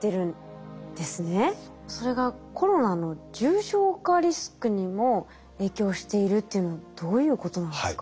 それがコロナの重症化リスクにも影響しているっていうのはどういうことなんですか？